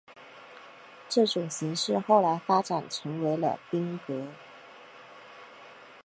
这种形式后来发展成为了赋格。